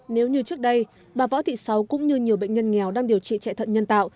nếu như trước đây bà võ thị sáu cũng như nhiều bệnh nhân nghèo đang điều trị chạy thận nhân tạo